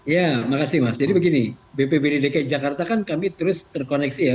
ya makasih mas jadi begini bpbd dki jakarta kan kami terus terkoneksi ya